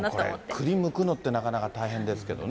クリむくの、なかなか大変ですけどね。